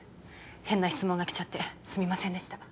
変な質問がきちゃってすみませんでした